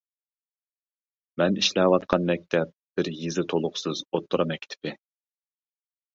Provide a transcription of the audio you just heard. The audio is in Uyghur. مەن ئىشلەۋاتقان مەكتەپ بىز يېزا تۇلۇقسىز ئوتتۇرا مەكتىپى.